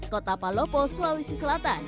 kota palopo sulawesi selatan